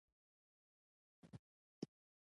که مومن جان یې پر ما ګران یې.